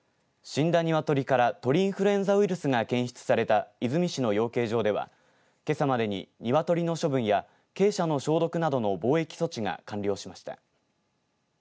死んだ鶏から鳥インフルエンザウイルスが検出された出水市の養鶏場では、けさまでに鶏の処分や鶏舎の消毒などの防疫措置が完了しました。